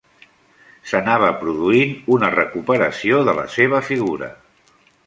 S'anava produint una recuperació de la seva figura.